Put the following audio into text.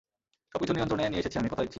সবকিছু নিয়ন্ত্রণে নিয়ে এসেছি আমি, কথা দিচ্ছি।